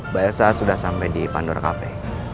bayasa sudah sampe di pandora cafe